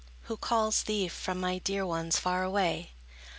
Who calls Thee from my dear ones far away?